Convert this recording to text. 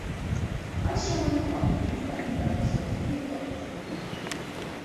Այս ժամանակ ակումբում կային դարպասապահի հետ կապված խնդիրներ։